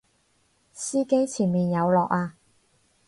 司機前面有落啊！